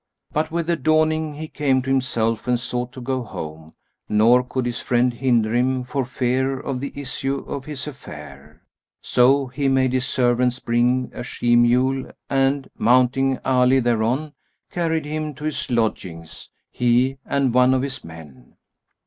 But, with the dawning, he came to himself and sought to go home; nor could his friend hinder him, for fear of the issue of his affair. So he made his servants bring a she mule and, mounting Ali thereon, carried him to his lodgings, he and one of his men.